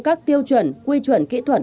các tiêu chuẩn quy chuẩn kỹ thuật